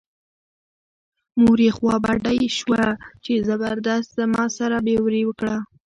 مور یې خوا بډۍ شوه چې زبردست زما سره بې وري وکړه.